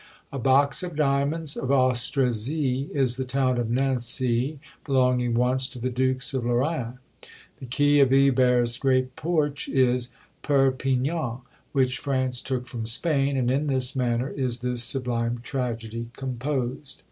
A box of diamonds of Austrasie is the town of Nancy, belonging once to the dukes of Lorraine. The key of Ibere's great porch is Perpignan, which France took from Spain; and in this manner is this sublime tragedy composed!